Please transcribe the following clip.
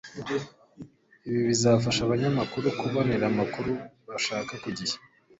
Ibi bizafasha abanyamakuru kubonera amakuru bashaka ku gihe